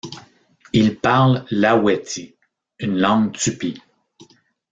Ils parlent l'aweti, une langue tupi.